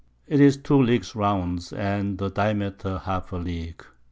'Tis 2 Leagues round, and the Diameter half a League.